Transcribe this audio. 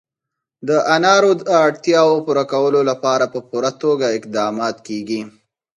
د انارو د اړتیاوو پوره کولو لپاره په پوره توګه اقدامات کېږي.